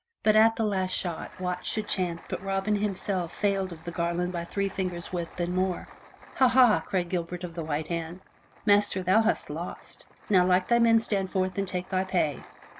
But at the last shot, what should chance but Robin himself failed of the garland by three fingers' width and more. "Ha! Ha!" laughed Gilbert o' the White hand. "Master, thou hast lost. Now like thy men stand forth and take thy pay."